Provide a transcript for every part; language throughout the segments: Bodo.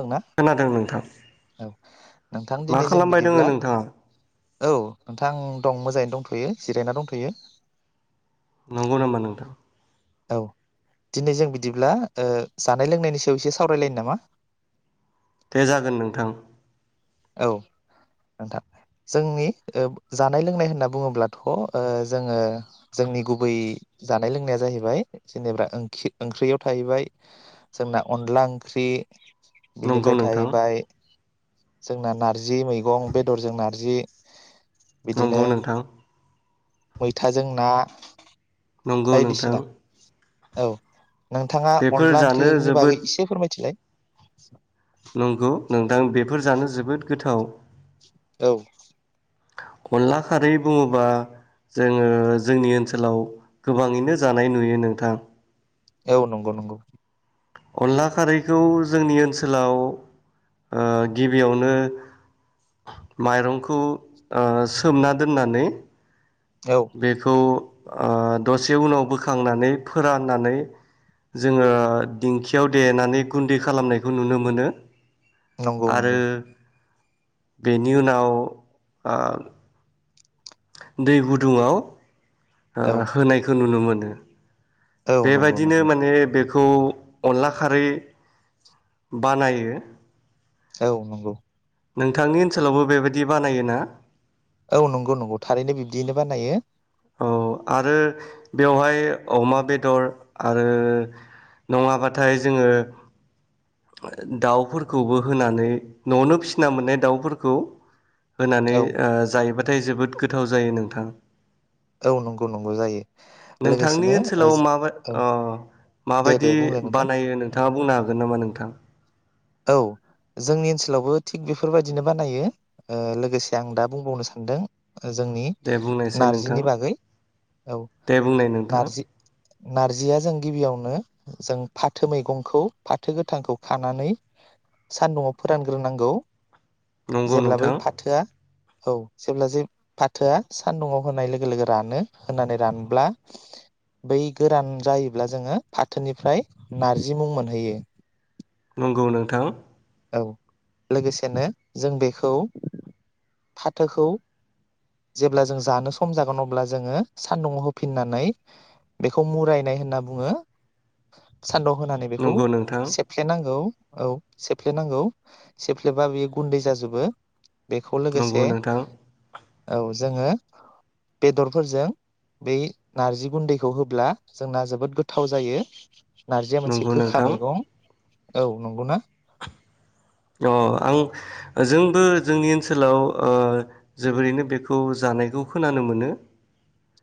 दंना खोनादों नोंथां औ नोंथां मा दिनै जों खालामबाय दोङो बिदिब्ला नोंथाङा औ नोंथां दं मोजाङैनो दंथयो जिरायना दंथ यो नंगौ नामामा नोंथां औ दिनै जों बिदिब्ला ओ जानाय लोंनायनि सायाव एसे सावरायलायोनो नामा दे जागोन नोंथां औ नोंथां जोंनि ओ जानाय लोंनाय होनना बुङोब्लाथ ओ जोङो जोंनि गुबै जानाय लोंनाया जाहैबाय जेनेबां ओखि ओंख्रियाव थाहैबाय जोंना अनला ओंख्रि नंगौ बिनिफ्राय नोंथां थाहैबाय जोंना नारजि मैगं बेदरजों नारजि बिदिनो नंगौ नोंथां मैथाजों ना नंगौ नोंथां बायदिसिना औ नोंथाङा बेफोर अनला जानो ओंख्रिनि जोबोद बागै एसे फोरमायथिलाय [inaudible] नंगौ नोंथां बेफोर जानो जोबोद गोथाव औ अनला खारै बुङोबा जोङो जोंनि ओनसोलाव गोबाङैनो जानाय नुयो नोंथां औ नंगौ नंगौ अनला खारैखौ जोंनि ओनसोलाव ओ गिबियावनो माइरंखौ ओ सोमना दोननानै औ बेखौ ओ दसे उनाव बोखांनानै फोराननानै जोङो दिंखियाव देनानै गुन्दै खालामनायखौ नुनो मोनो नंगौ आरो नंगौ बेनि उनाव आ दै गुदुङाव आ औ होनायखौ नुनो मोनो। नो औ नंगौ बेबायदिनो नंगौ माने बे खौ अनला खारै बानायो। औ नंगौ। नोंथांनि ओनसोलावबो बेबायदि बानायोना? औ नंगौ नंगौ थारैनो बिब्दियैनो बानायो। औ आरो बेवहाय अमा बेदर आरो नङाबाथाय जोङो ओ दाउफोरखौबो होनानै न'आवनो फिसिना मोननाय दाउफोरखौ होनानै औ ओ जायोबा थाय जोबोद गोथाव जायो नोंथां। औ नंगौ नंगौ जायो। नोंथांनि लोगोसेनो ओ ओनसोलाव अ माबा औ दे माबायदि दे बुंलाय नोंथां बानायो नोंथाङा बुंनो हागोन नामा नोंथां? औ जोंनि ओनसोलावबो थिग बेफोरबायदिनो बानायो ओ लोगोसे आं दा बुंबावनो सानदों। जोंनि नार थां दे बुंनाय नोंथां। नारजि नारजिया जों गिबियावनो जों फाथो मैगंखौ फाथो गोथांखौ खानानै सानदुंआव फोरानग्रोनांगौ। नंगौ जेब्ला बै नोंथां फाथोआ औ जेब्ला जे फाथोआ सानदुंङआव होनाय लोगो लोगो रानो होनानै रानब्ला बै गोरान जायोब्ला जोङो फाथोनिफ्राय नारजि मुं मोनहैयो। गौ नोंथां। औ लोगोसेनो जों बेखौ फाथोखौ जेब्ला जों जानो सम जागोन अब्ला जोङो सानदुङाव होफिननानै बेखौ मुरायनाय होनना बुङो। सान्दुं होनानै बेखौ नंगौ नोंथां सेबफ्लेनांगौ। औ। सेफ्लेनांगौ सेफ्लेबा बेयो गुन्दै जाजोबो। बेखौ नंगौ लोगोसे नोंथां औ जोङो बेदरफोरजों बै नारजि गुन्दैखौ होब्ला जोंना जोबोद गोथाव जायो। नारजिया मोनसे नंगौ गोखा नोंथां मैगं। औ नंगौना? अ आं जोंबो जोंनि ओनसोलाव ओ जोबोरैनो बेखौ जानायखौ खोनानो मोनो।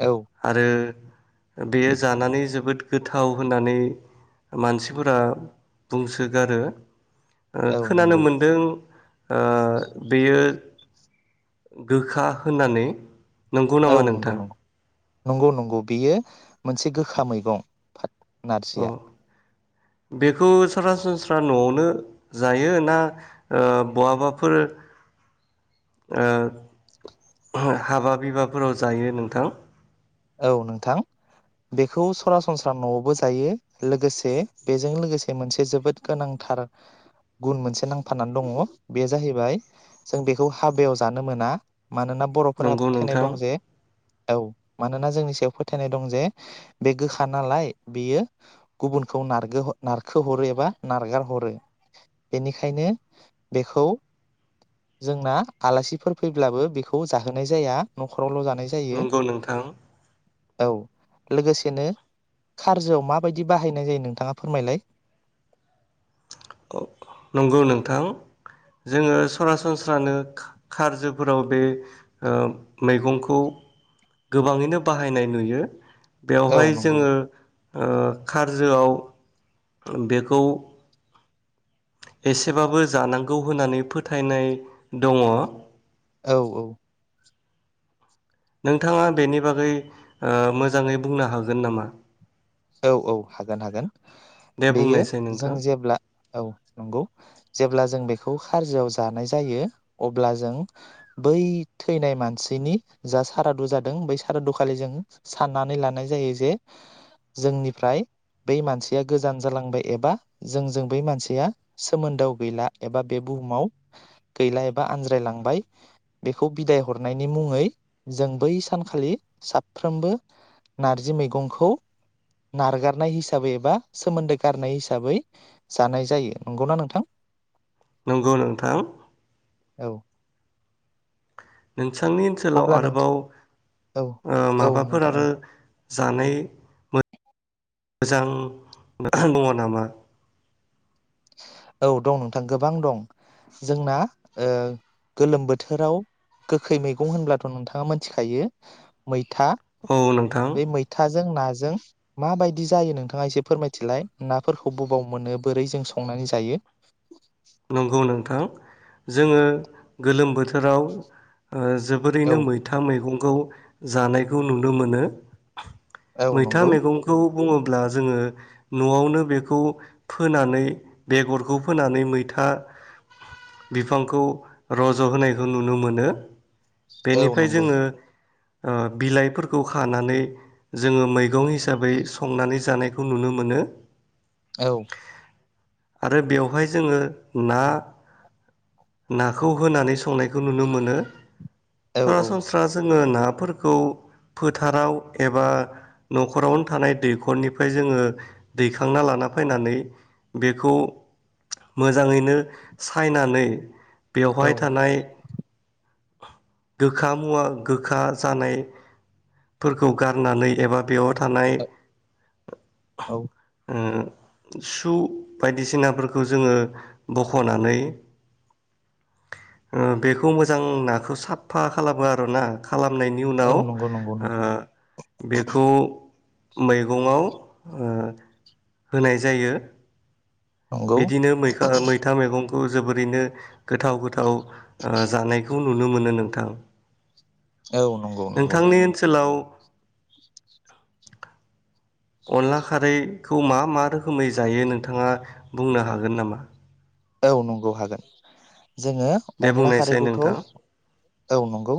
औ आरो ओ बेयो जानानै जोबोद गोथाव होननानै मानसिफोरा बुंसोगारो। औ खोनानो नंगौ मोनदों ओ बेयो गोखा होननानै। नंगौ औ नामा नंगौ नोंथां? नंगौ नंगौ नंगौ बेयो मोनसे गोखा मैगं अ नारजिया। बेखौ सरासनस्रा न'आवनो जायो ना ओ बहाबाफोर ओ हाबा बिबाफोराव जायो नोंथां? औ नोंथां बेखौ सरासनस्रा न'आवबो जायो लोगोसे बेजों लोगोसे मोनसे जोबोद गोनांथार गुन मोनसे नांफानानै दङ। बे जाहैबाय जों बेखौ हाबायाव जानो मोना। मानोना बर'फोरा नंगौ फोथायनाय नोंथां दं जे औ मानोना जोंनि सायाव फोथायनाय दं जे बे गोखा नालाय बेयो गुबुनखौ नागो नारखोहरो एबा नारगार हरो बेनिखायनो बेखौ जोंना आलासिफोर फैब्लाबो बेखौ जाहोनाय जाया न'खरावल' जाना नाय जायो। आं औ लोगोसेनो खारजोआव माबायदि बाहायनाय जायो नोंथाङा फोरमायलाय? नंगौ नोंथां जोङो सरासनस्रानो खारजोफोराव बे मैगंखौ गोबाङैनो बाहायनाय नुयो। औ बेवहाय नंगौ जोङो ओ खारजोआव बेखौ एसेबाबो जानांगौ होननानै फोथायनाय दङ। औ औ नोंथाङा बेनि बागै मोजाङै बुंनो हागोन नामा? औ औ हागोन हागोन दे बेयो बुंनायसाय जों नोंथां जेब्ला औ नंगौ। जेब्ला जों बेखौ खारजोआव जानाय जायो अब्ला जों बै थैनाय मानसिनि जा सारादु जादों बै सारादु खालि जों साननानै लानाय जायो जे जोंनिफ्राय बै मानसिया गोजान जालांबाय एबा जोंजों बै मानसिया सोमोन्दोआव गैला एबा बे बुहुमाव गैला एबा आनज्रायलांबाय बेखौ बिदाय हरनायनि मुङै जों बै सानखालि साफ्रोमबो नारजि मैगंखौ नारगारनाय हिसाबै एबा सोमोन्दो गारनाय हिसाबै जानाय जायो नंगौना नोंथां? नंगौ नोंथां। औ बिथांनि ओनसोलाव अब्ला नोंथां आरोबाव औ ओ औ माबाफोर नोंथां औ आरो जानाय मोजां दङ नामा? औ दं नोंथां गोबां दं जोंना गोलोम बोथोराव गोखै मैगं होनब्लाथ' नोंथाङा मोनथिखायो मै मैथा औ नोंथां बे मैथा मैथाजों नाजों माबायदि जायो नोंथाङा एसे फोरमायथिलाय नाफोरखौ बबाव मोनो बोरै जों सं संनानै जायो। नंगौ नोंथां जोङो गोलोम बोथोर बोथोराव औ जोबोरैनो मैथा मैगं खौ जानायखौ नुनो मोनो। औ मैथा नंगौ मैगंखौ बुङोब ब्ला जोङो न'आवनो बेखौ फोनानै बेगरखौ फोनानै मै था बिफांखौ रज' होनायखौ नुनो मोनो। औ बेनिफ्राय नंगौ जोङो ओ बिलाइफोरखौ खानानै जोङो मैगं हिसाबै संनानै जानायखौ नुनो मोनो। औ आरो बेवहाय जोङो ना नाखौ होनानै संनायखौ नुनो मोनो। औ औ सरासनस्रा ज जोङो नाफोरखौ फोथाराव एबा न'खरावनो थानाय दैखरनिफ्राय जोङो दैखांना लाना फैनानै बेखौ मोजां मोजाङैनो सायनानै औ बेवहाय थानाय गोखा मुवा गोखा जानायफोरखौ गारनानै एबा बेयाव थानाय औ सु बायदिसिनाफोरखौ जोङो बख'नानै ओ बेखौ मोजां नाखौ साफा खालामो आरो ना खालामनायनि औ उनाव नंगौ नंगौ नंगौ बेखौ मैगंआव ओ होनाय जायो नंगौ बिदिनो मै-मैथा मैगं खौ जोबोरैनो गोथाव गोथाव जानायखौ नुनो मोनो नोंथां औ नंगौ नंगौ नोंथांनि ओनसोलाव अनला खारैखौ मा मा रोखोमै जायो नोंथाङा बुंनो हागोन नामा? औ नंगौ हागोन जोङो दे अनला बुंनायसाय खारैखौथ' नोंथां औ नंगौ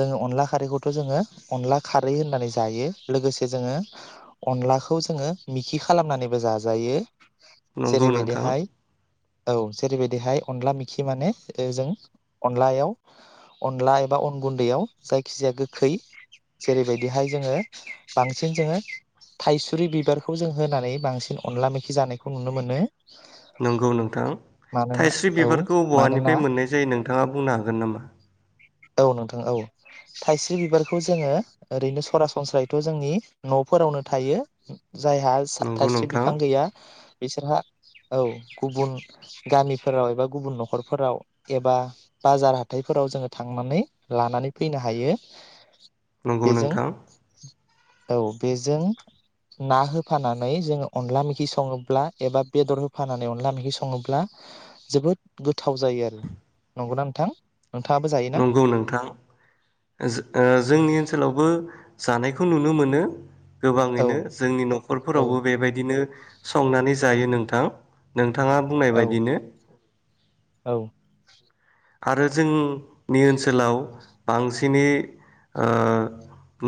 जोङो अनला खारैखौ थ' जोङो अनला खारै होननानै जायो लोगोसे जोङो अनलाखौ जोङो मिखि खालामनानैबो जाजायो नंगौ नोंथां जेरैबायदिहाय औ जेरैबायदिहाय अनला मेखि माने जों अनलायाव अनला एबा अन गुन्दैयाव जायखि जाया गोखै जेरैबायदिहाय जोङो बांसिन जोङो थाइसुरि बिबारखौ जों होनानै बांसिन अनला मेखि जानायखौ नुनो मोनो नंगौ नों नोंथां मानोना थाइस्रि औ बिबारखौ मानोना बहानिफ्राय मोननाय जायो नोंथाङा बुंनो हागोन नामा? औ नोंथां औ थायसे बिबारखौ जोङो ओरैनो सरासनस्रायैथ' जोंनि न'फोरावनो थायो जायहा सा नंगौ थाइस्रि नोंथां बिफां गैया बिसोरहा औ गुबुन गामिफोराव एबा गुबुन न'खरफोराव एबा बाजार हाथायफोराव जोङो थांनानै लानानै फैनो हायो नंगौ बेजों नोंथां औ बेजों ना होफानानै जोङो अनला मेखि सङोब्ला एबा बेदर होफानानै अनला मेखि स सङोब्ला जोबोद गोथ गोथाव जायो आरो नंगौ थां नंगौ नोंथां जोंनि ओनसोलावबो जानायखौ नुनो मोनो औ गोबाङैनो जोंनि औ न'खरफोरावबो बेबायदिनो संनानै जायो नोंथां नों नोंथाङा बुंनाय औ बायदिनो औ आरो जोंनि ओनसोलाव बांसिनै ओ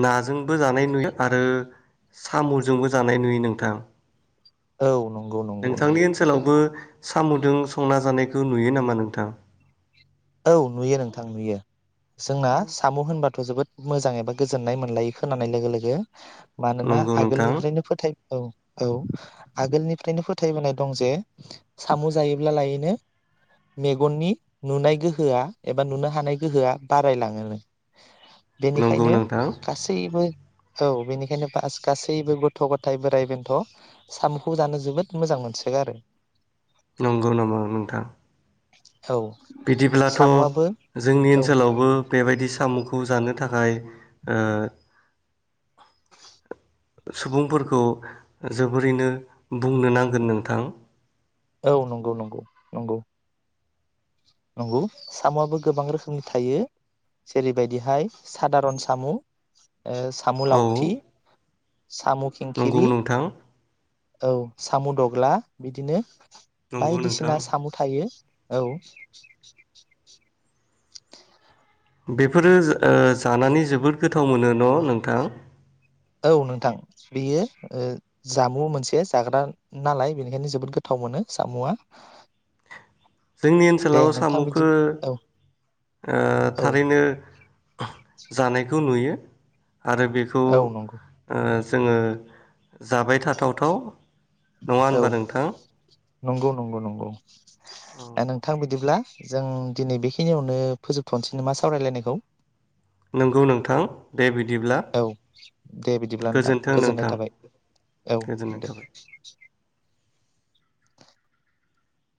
नाजोंबो जानाय नुयो आरो साम'जोंबो जानाय नुयो नोंथां औ नं नोंथांनि ओनसोलावबो सामुदों संना जानायखौ नुयो नामा नोंथां? औ नुयो नोंथां नुयो जोंना साम' होनबाथ' जोबोद मोजां एबा गोजोननाय मोनलायो खोनानाय लोगो लोगो। मानोना नंगौ नोंथां आगोलनिफ्रायनो फोथाय औ। औ आगोलनिफ्रायनो फोथायबोनाय दं जे सामु जायोब्ला लायनो मेगननि नुनाय गो होआ एबा नुनो हानाय गोहोआ बारायलाङोनो। नंगौ बेनिखायनो नोंथां गासैबो औ बेनिखायनो बास गासैबो गथ' गथाय, बोराइ बेन्थ' सामुखौ जानो जोबोद मोजां मोनसोगारो। नंगौ नामा नोंथां? [inaudible] बिदिब्लाथ' साम'आबो जोंनि औ ओनसोलावबो बेबायदि सामुखौ जानो थाखाय ओ सुबुंफोरखौ जोबोरैनो बुंनो नांगोन नोंथां। औ नंगौ नंगौ नंगौ। नंगौ सामुआबो गोबां रोखोमनि थायो जेरैबायदिहाय सादारन सामु ओ सामु औ लावथि, सामु नंगौ खिंखिरि नोंथां औ सामु दग्ला बिदिनो नंगौ नोंथां बायदिसिना सामु थायो। औ। [inaudible] बेफोरो जा ओ जानानै जोबोद गोथाव मोनो न नोंथां? औ नोंथां बेयो ओ जामु मोनसे जाग्रा नालाय बेनिखायनो जोबोद गोथाव मोनो सामुआ जोंनि ओनसोलाव सामुखो औ ओ औ थारैनो जानायखौ नुयो । आरो बेखौ औ नंगौ ओ जोङो जाबाय थाथावथाव नङा औ होनबा नोंथां? नंगौ नंगौ नंगौ। औ ओ नोंथां बिदिब्ला जों दिनै बेखिनियावनो फोजोबथ'नोसै नामा सावरायलायनायखौ? नोंगौ नोंथां दे बि औ दे बिदिब्ला नोंथां गोजोन्थों गोजोननाय नोंथां थाबाय, औ गोजोननाय दे। थाबाय